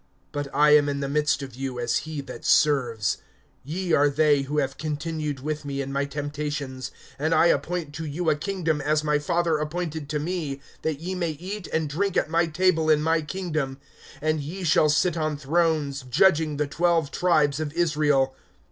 But I am in the midst of you as he that serves. (28)Ye are they who have continued with me in my temptations; (29)and I appoint to you a kingdom, as my Father appointed to me, (30)that ye may eat and drink at my table in my kingdom; and ye shall sit on thrones, judging the twelve tribes of Israel.